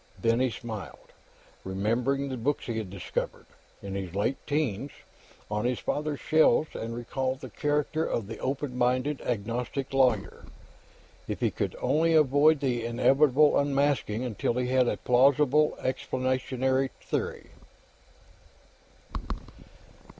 Then he smiled, remembering the books he had discovered, in his late 'teens, on his father's shelves and recalling the character of the openminded agnostic lawyer. If he could only avoid the inevitable unmasking until he had a plausible explanatory theory.